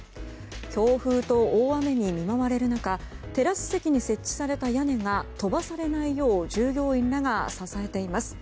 強風と大雨に見舞われる中テラス席に設置された屋根が飛ばされないよう従業員らが支えています。